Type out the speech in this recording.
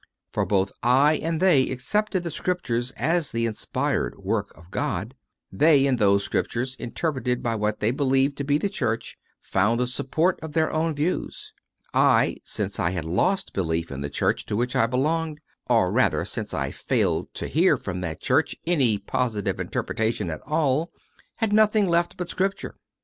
For both I and they accepted the Scriptures as the inspired Work of God; they, in those Scriptures, interpreted by what they believed to be the Church, io6 CONFESSIONS OF A CONVERT found the support of their own views; I, since I had lost belief in the Church to which I belonged, or rather since I failed to hear from that Church any positive interpretation at all, had nothing left but Scripture.